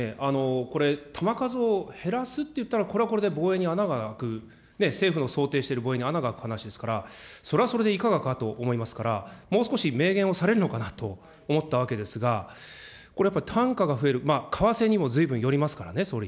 これ、弾数を減らすといったら、これはこれで防衛に穴が開く、政府の想定している防衛に穴が開く話ですから、それはそれでいかがかと思いますから、もう少し明言をされるのかなと思ったわけですが、これやっぱり、単価が増える、為替にもずいぶんよりますからね、総理。